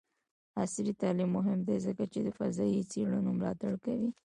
عصري تعلیم مهم دی ځکه چې د فضايي څیړنو ملاتړ کوي.